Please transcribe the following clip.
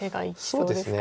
そうですね。